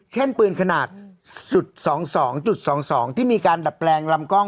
เช่นปืนขนาด๒๒๒ที่มีการดัดแปลงลำกล้อง